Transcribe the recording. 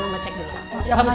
biar mama cek dulu